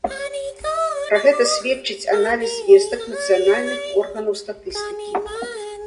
Пра гэта сведчыць аналіз звестак нацыянальных органаў статыстыкі.